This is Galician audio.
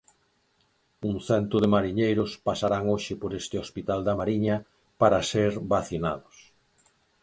Un cento de mariñeiros pasarán hoxe por este hospital da Mariña para ser vacinados.